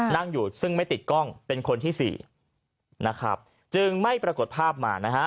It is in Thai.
นั่งอยู่ซึ่งไม่ติดกล้องเป็นคนที่สี่นะครับจึงไม่ปรากฏภาพมานะฮะ